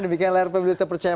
demikian layar pemilu terpercaya